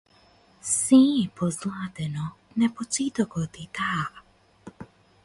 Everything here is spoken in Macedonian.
Сѐ е позлатено, на почетокот и таа.